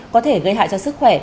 có thể gây hại cho sức khỏe